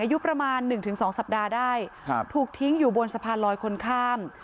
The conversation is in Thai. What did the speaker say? อายุประมาณหนึ่งถึงสองสัปดาห์ได้ถูกทิ้งอยู่บนสะพานลอยคนข้าม